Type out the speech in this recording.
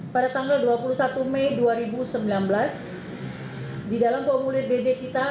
pada tanggal dua puluh satu mei dua ribu sembilan belas di dalam formulir bb kita